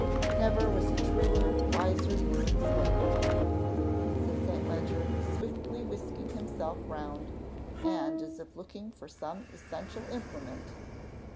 "Never was a truer, wiser word spoken, madam," said St. Leger, swiftly whisking himself round, and as if looking for some essential implement.